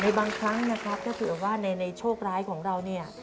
บางครั้งนะครับถ้าเผื่อว่าในโชคร้ายของเราเนี่ย